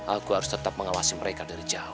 aku harus tetap mengawasi mereka dari jauh